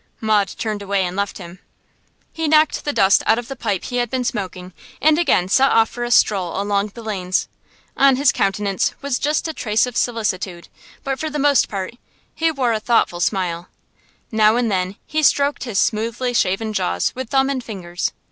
Maud turned away and left him. He knocked the dust out of the pipe he had been smoking, and again set off for a stroll along the lanes. On his countenance was just a trace of solicitude, but for the most part he wore a thoughtful smile. Now and then he stroked his smoothly shaven jaws with thumb and fingers.